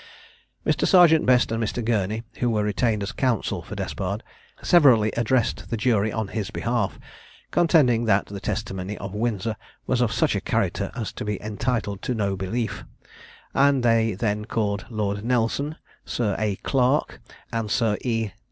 Mr. Serjeant Best and Mr. Gurney, who were retained as counsel for Despard, severally addressed the jury on his behalf, contending that the testimony of Windsor was of such a character as to be entitled to no belief; and they then called Lord Nelson, Sir A. Clarke, and Sir E.